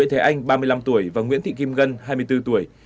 thầy anh ba mươi năm tuổi và nguyễn thị kim gân hai mươi bốn tuổi